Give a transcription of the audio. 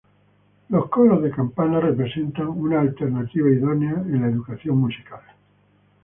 Los Coros de Campanas representan una alternativa idónea de la educación musical.